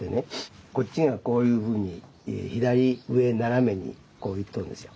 こっちがこういうふうに左上斜めに行っとるでしょ。